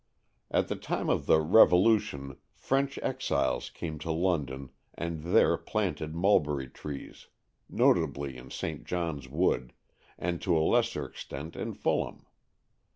At the time of the Revolu tion French exiles came to London and there planted mulberry trees, notably in St. John's Wood, and to a lesser extent in Fulham.